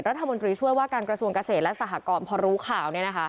รัฐมนตรีช่วยว่าการกระทรวงเกษตรและสหกรพอรู้ข่าว